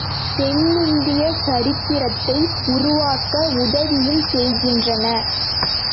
தென்னிந்திய சரித்திரத்தை உருவாக்க உதவியும் செய்கின்றன.